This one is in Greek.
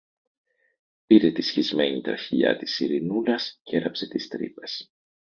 πήρε τη σχισμένη τραχηλιά της Ειρηνούλας κι έραψε τις τρύπες.